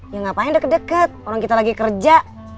ya ngapain deket deket orang kita lagi kerja